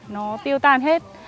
nó tiêu tan hết